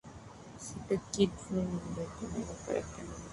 Se cree que Kyd fue brutalmente torturado para obtener esta información.